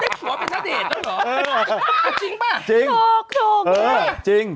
ได้ผัวเป็นณเดชน์แล้วหรอจริงป่ะจริงถูกถูกเออจริง